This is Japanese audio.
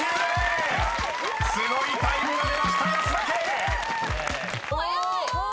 ［すごいタイムが出ました保田圭！］